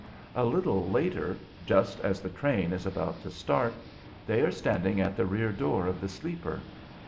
A little later just as the train is about to start they are standing at the rear door of the sleeper.